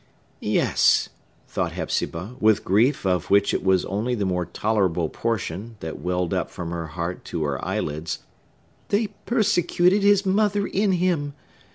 "Yes," thought Hepzibah, with grief of which it was only the more tolerable portion that welled up from her heart to her eyelids, "they persecuted his mother in him!